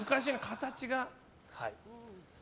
形が。